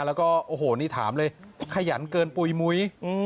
แล้วก็โอ้โหนี่ถามเลยขยันเกินปุ๋ยมุ้ย